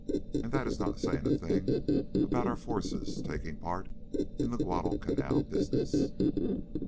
And that is not saying a thing about our forces taking part in the Guadalcanal business."